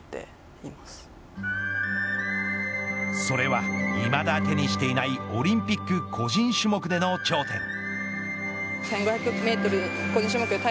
それはいまだ手にしていないオリンピック個人種目での頂点。